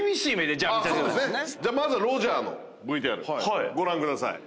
じゃあまずはロジャーのＶＴＲご覧ください。